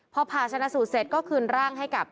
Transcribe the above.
พอผ่าชนะสูตรเสร็จก็คืนร่างให้กับ